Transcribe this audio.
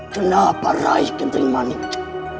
kenapa rai kentering manik